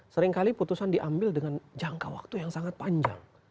seringkali putusan diambil dengan jangka waktu yang sangat panjang